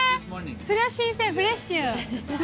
それは新鮮、フレッシュ。